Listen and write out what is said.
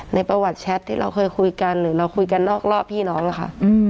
ในประวัติแชทที่เราเคยคุยกันหรือเราคุยกันนอกรอบพี่น้องค่ะ